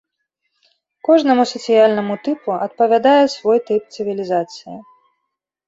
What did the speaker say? Кожнаму сацыяльнаму тыпу адпавядае свой тып цывілізацыі.